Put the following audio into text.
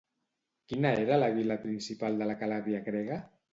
Quina era la vila principal de la Calàbria grega?